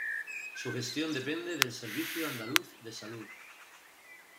Su gestión depende del Servicio Andaluz de Salud.